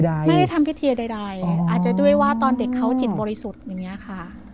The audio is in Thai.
ไม่ได้ทำพิธีใดอาจจะด้วยว่าตอนเด็กเขาจิตบริสุทธิ์อย่างเงี้ยค่ะ